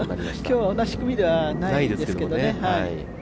今日同じ組ではないですけどね。